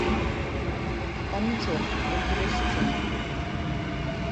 Там нічога, толькі вось сцены!